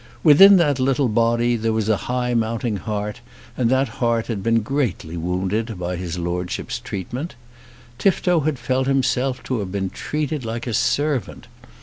Within that little body there was a high mounting heart, and that heart had been greatly wounded by his Lordship's treatment. Tifto had felt himself to have been treated like a servant.